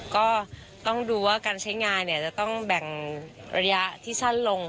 ก็ต้องดูว่าการใช้งานจะต้องแบ่งระยะที่สั้นลง